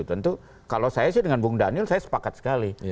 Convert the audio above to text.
tentu kalau saya sih dengan bung daniel saya sepakat sekali